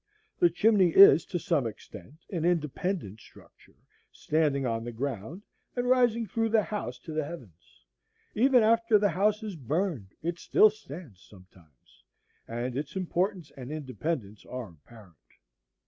The chimney is to some extent an independent structure, standing on the ground and rising through the house to the heavens; even after the house is burned it still stands sometimes, and its importance and independence are apparent.